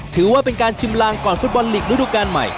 ถือว่าเป็นการชิมลางก่อนฟุตบอลลีกระดูกาลใหม่